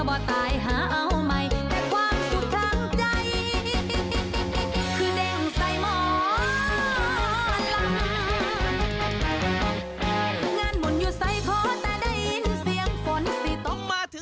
สำหรับครับ